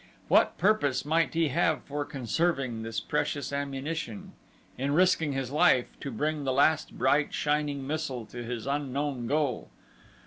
What purpose might he have for conserving this precious ammunition? in risking his life to bring the last bright shining missile to his unknown goal?